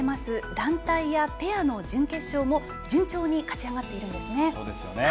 団体やペアの準決勝も順調に勝ち上がっているんですね。